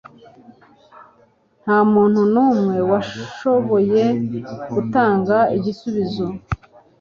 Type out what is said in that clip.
Nta muntu n'umwe washoboye gutanga igisubizo.